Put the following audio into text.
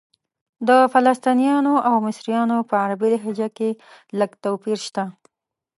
د فلسطنیانو او مصریانو په عربي لهجه کې لږ توپیر شته.